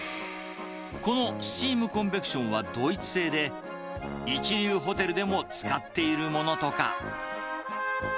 このスチームコンベクションはドイツ製で、一流ホテルでも使っているものとか。